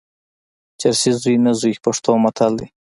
چرسي زوی نه زوی، پښتو متل دئ.